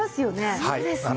そうですね。